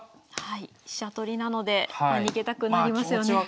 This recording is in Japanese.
飛車取りなので逃げたくなりますよね。